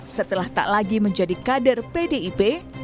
setelah tak lagi menjadi kader pdip